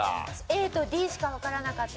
ＡとＤしかわからなかったです。